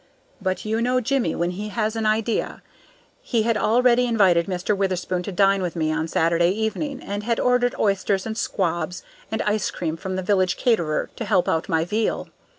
But you know Jimmie when he has an idea. He had already invited Mr. Witherspoon to dine with me on Saturday evening, and had ordered oysters and squabs and ice cream from the village caterer to help out my veal.